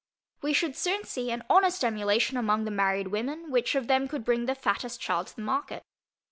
We should soon see an honest emulation among the married women, which of them could bring the fattest child to the market.